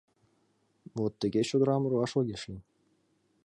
Вет тыге чодырам руаш огеш лий.